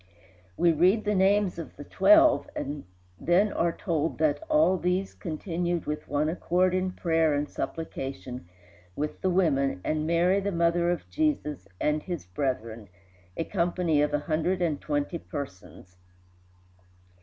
We read the names of the twelve, and then are told that "these all continued with one accord in prayer and supplication with the women, and Mary the mother of Jesus, and his brethren," a company of a hundred and twenty persons.